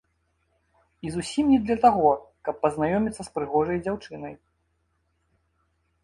І зусім не для таго, каб пазнаёміцца з прыгожай дзяўчынай.